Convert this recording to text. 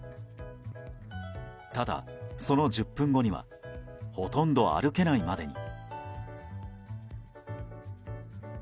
ただ、その１０分後にはほとんど歩けないまでに。